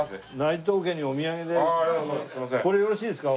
これよろしいですか？